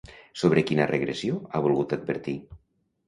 Sobre quina regressió ha volgut advertir?